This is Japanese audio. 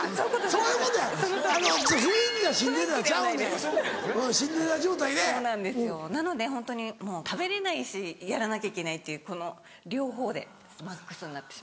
そうなんですよなのでホントにもう食べれないしやらなきゃいけないっていうこの両方でマックスになって。